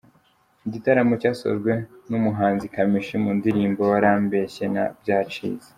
Igitaramo cyasojwe n’umuhanzi Kamichi mu ndirimbo Warambeshye na Byacitse.